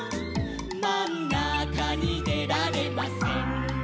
「まんなかにでられません」